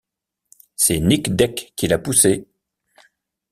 C’est Nic Deck qui l’a poussé...